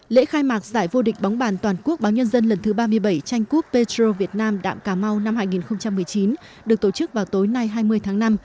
lễ khai mạc giải vô địch bóng bàn toàn quốc báo nhân dân lần thứ ba mươi bảy tranh cúp petro việt nam đạm cà mau năm hai nghìn một mươi chín được tổ chức vào tối nay hai mươi tháng năm